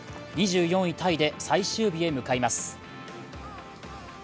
２４位タイで最終日へ向かいます。